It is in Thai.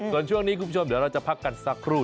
ส่วนช่วงนี้คุณผู้ชมเดี๋ยวเราจะพักกันสักครู่